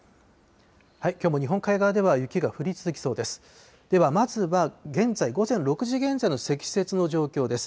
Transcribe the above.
きょうも日本海側では雪が降り続きそうです。